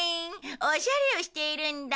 おしゃれをしているんだ。